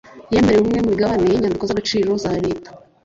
yemerewe imwe mumigabane y inyandiko z agaciro za leta